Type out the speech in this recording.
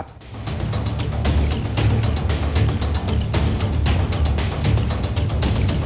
โปรดติดตามตอนต่อไป